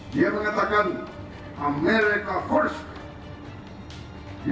dia mengatakan make america great again